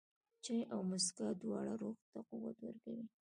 چای او موسکا، دواړه روح ته قوت ورکوي.